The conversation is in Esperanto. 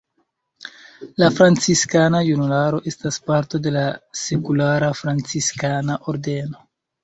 La Franciskana Junularo estas parto de la Sekulara franciskana ordeno.